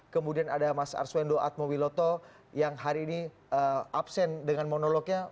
kemudian ada mas arswendo atmobiloto yang hari ini absen dengan monolognya